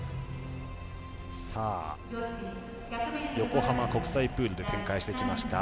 横浜国際プールで展開してきました